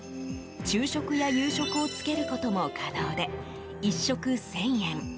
昼食や夕食を付けることも可能で１食１０００円。